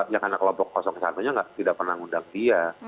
ya karena kelompok satu nya tidak pernah ngundang dia